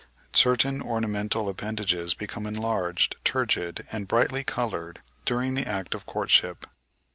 Certain ornamental appendages become enlarged, turgid, and brightly coloured during the act of courtship.